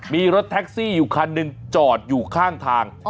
มีรถแท็กซี่อยู่คันหนึ่งจอดอยู่ข้างทาง